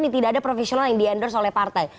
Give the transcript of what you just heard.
tidak ada profesional yang di endorse oleh partai